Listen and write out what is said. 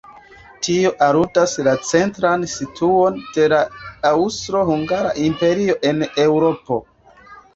Tio aludas la centran situon de la Aŭstro-Hungara imperio en Eŭropo.